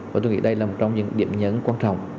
và tôi nghĩ đây là một trong những điểm nhấn quan trọng